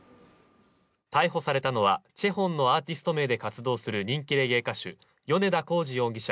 逮捕されたのはＣＨＥＨＯＮのアーティスト名で活動する人気レゲエ歌手、米田浩容疑者